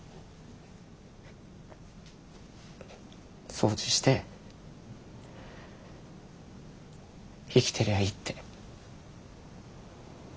掃除して生きてりゃいいって。